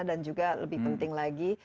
dan juga lebih penting lagi